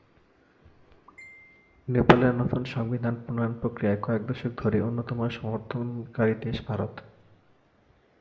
নেপালের নতুন সংবিধান প্রণয়ন প্রক্রিয়ায় কয়েক দশক ধরেই অন্যতম সমর্থনকারী দেশ ভারত।